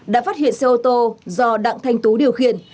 đã phát hiện xe ô tô do đặng thanh tú điều khiển